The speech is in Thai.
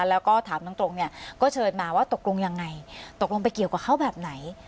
แล้วก็ถามตรงเนี่ยก็เชิญมาว่าตกลงยังไงตกลงไปเกี่ยวกับเขาแบบไหน